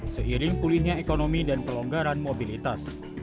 seiring pulihnya ekonomi dan pelonggaran mobilitas